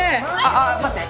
あっ待って。